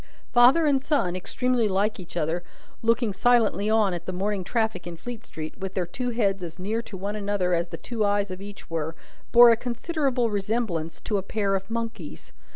Father and son, extremely like each other, looking silently on at the morning traffic in Fleet street, with their two heads as near to one another as the two eyes of each were, bore a considerable resemblance to a pair of monkeys.